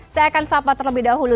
saya akan sapa terlebih dahulu